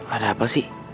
ada apa sih